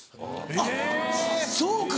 あっそうか。